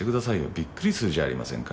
びっくりするじゃありませんか。